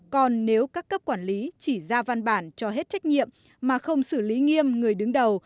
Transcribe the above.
còn nếu các cấp quản lý chỉ ra văn bản cho hết trách nhiệm mà không xử lý nghiêm người đứng đầu